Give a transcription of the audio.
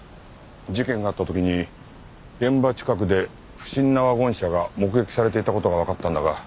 事件があった時に現場近くで不審なワゴン車が目撃されていた事がわかったんだが。